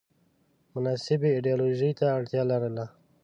مناسبې ایدیالوژۍ ته اړتیا لرله